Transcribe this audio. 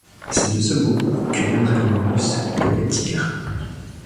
C'est de ce mot que viendrait le mot russe bogatyr.